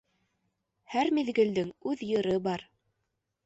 Һәр миҙгелдең үҙ йыры бар.